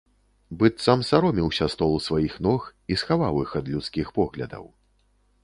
Быццам саромеўся стол сваіх ног і схаваў іх ад людскіх поглядаў.